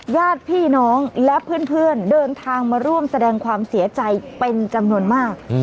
ญาติพี่น้องและเพื่อนเดินทางมาร่วมแสดงความเสียใจเป็นจำนวนมาก